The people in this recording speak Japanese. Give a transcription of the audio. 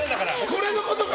これのことか！